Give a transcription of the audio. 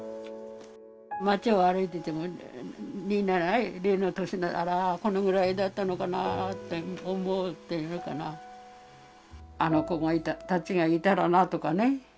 街を歩いてても、にいなや礼の年なら、このぐらいだったのかなって思うっていうかな、あの子たちがいたらなとかね。